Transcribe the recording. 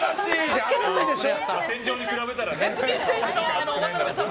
戦場に比べたらね。